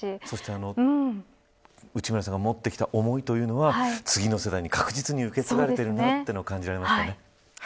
そして、内村さんが持ってきた思いというのは次の世代に確実に受け継がれていると感じます。